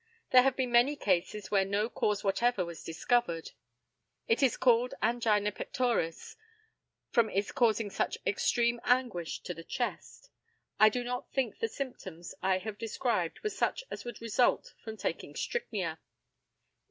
There have been many cases where no cause whatever was discovered. It is called angina pectoris, from its causing such extreme anguish to the chest. I do not think the symptoms I have described were such as would result from taking strychnia.